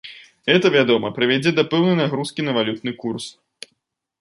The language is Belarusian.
Гэта, вядома, прывядзе да пэўнай нагрузкі на валютны курс.